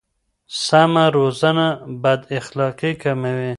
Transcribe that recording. سمه روزنه بد اخلاقي کموي.